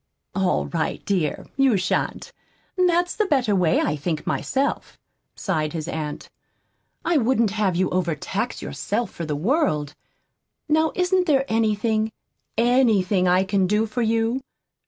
"All right, dear, you shan't. That's the better way, I think myself," sighed his aunt. "I wouldn't have you overtax yourself for the world. Now isn't there anything, ANYTHING I can do for you?"